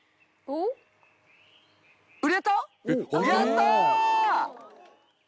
やった！